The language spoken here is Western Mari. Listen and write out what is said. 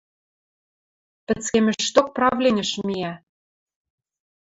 Пӹцкемӹшток правленьӹш миӓ.